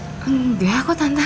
enggak kok tante